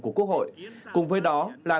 của quốc hội cùng với đó là